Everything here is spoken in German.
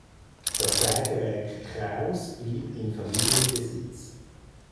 Das Sägewerk Kraus blieb in Familienbesitz.